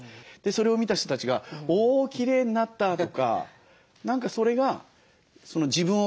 それを見た人たちが「おきれいになった」とか何かそれが自分を変えていく。